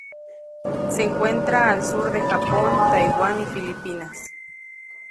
Se encuentra al sur del Japón, Taiwán y Filipinas.